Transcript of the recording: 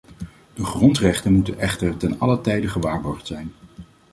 De grondrechten moeten echter te allen tijde gewaarborgd zijn.